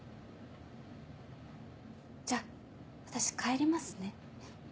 じゃ私帰りますね。